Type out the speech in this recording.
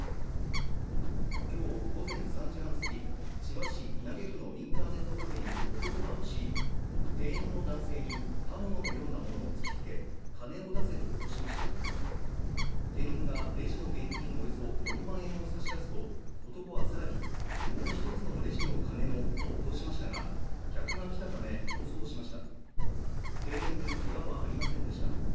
今日午前３時半過ぎ、千葉市稲毛区のインターネットカフェに男が押し入り店員の男性に刃物のようなものを突きつけ金を出せと脅しました店員がレジの現金およそ４万円を差し出すと男はさらにもう一つのレジの金もと脅しましたが客が来たため逃走しました店員にけがはありませんでした